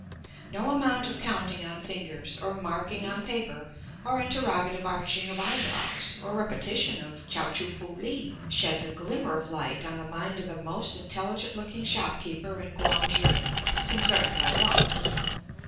No amount of counting on fingers, or marking on paper, or interrogative arching of eyebrows, or repetition of "Chao choo foo li" sheds a glimmer of light on the mind of the most intelligent looking shopkeeper in Quang shi concerning my wants.